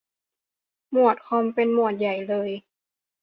หมวดคอมเป็นหมวดใหญ่เลย !